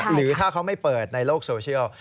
หรือถ้าเขาไม่เปิดในโลกโซเชียล